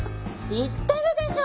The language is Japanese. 言ってるでしょ！